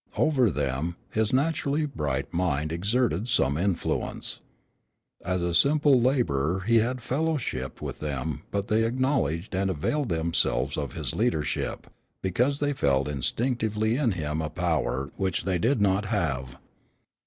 Over them, his naturally bright mind exerted some influence. As a simple laborer he had fellowshipped with them but they acknowledged and availed themselves of his leadership, because they felt instinctively in him a power which they did not have.